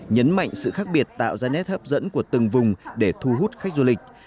nhấn mạnh sự khác biệt tạo ra nét hấp dẫn của từng vùng để thu hút khách du lịch